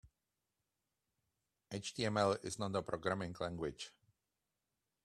HTML is not a programming language.